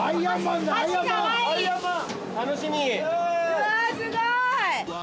うわすごい！